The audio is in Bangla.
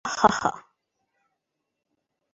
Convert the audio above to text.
হাঃ হাঃ হাঃ!